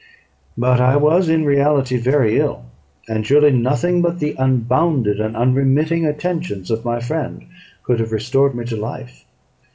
But I was in reality very ill; and surely nothing but the unbounded and unremitting attentions of my friend could have restored me to life.